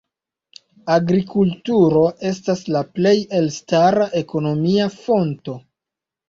Agrikulturo estas la plej elstara ekonomia fonto.